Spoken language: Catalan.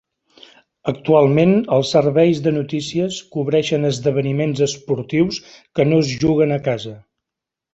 Actualment, els serveis de notícies cobreixen esdeveniments esportius que no es juguen a casa.